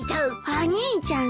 お兄ちゃん